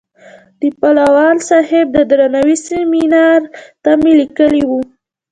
د پالوال صاحب د درناوۍ سیمینار ته مې لیکلې وه.